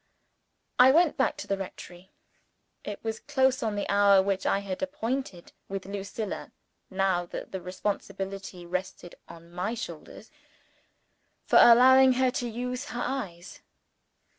I went back to the rectory. It was close on the hour which I had appointed with Lucilla now that the responsibility rested on my shoulders for allowing her to use her eyes.